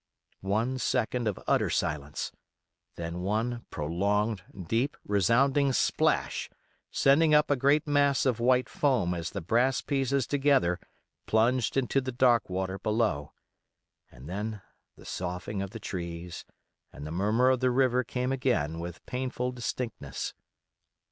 One second of utter silence; then one prolonged, deep, resounding splash sending up a great mass of white foam as the brass pieces together plunged into the dark water below, and then the soughing of the trees and the murmur of the river came again with painful distinctness.